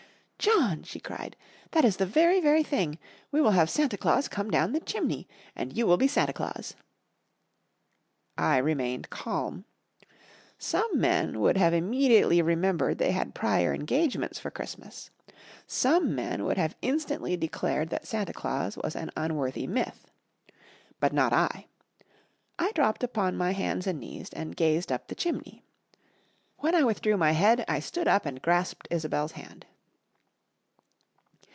"John!" she cried, "that is the very, very thing! We will have Santa Claus come down the chimney! And you will be Santa Claus!" I remained calm. Some men would have immediately remembered they had prior engagements for Christmas. Some men would have instantly declared that Santa Claus was an unworthy myth. But not I! I dropped upon my hands and knees and gazed up the chimney. When I withdrew my head, I stood up and grasped Isobel's hand.